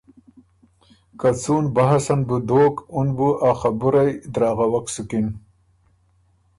که څُون بحث ان بُو دوک اُن بُو ا خبُرئ دراغوک سُکِن